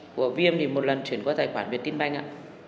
của viêm thì một lần chuyển qua tài khoản việt tin banh ạ